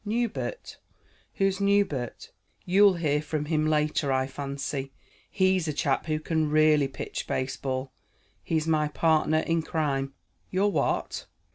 "Newbert? Who's Newbert?" "You'll hear from him later, I fancy. He's a chap who can really pitch baseball. He's my partner in crime." "Your what?"